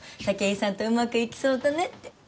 武居さんとうまくいきそうだねって。